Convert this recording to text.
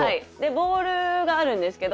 ボールがあるんですけど。